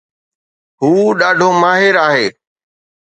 هو ڏاڍو ماهر آهي